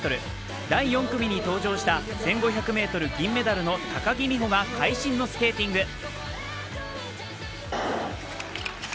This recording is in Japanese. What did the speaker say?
第４組に登場した１５００ｍ銀メダルの高木美帆が会心のスケーティング。